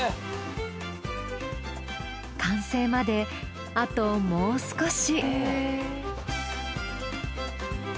完成まであともう少し。